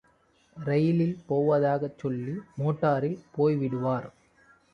ரயிலில் போவதாகச் சொல்லி மோட்டாரில் போய்விடுவார்.